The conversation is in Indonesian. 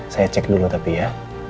saya cek dulu tapi ya